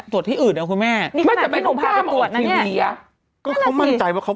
สดที่อื่นนะคุณแม่มันจะไปหนูมาตรวจอะก็เขามั่นใจ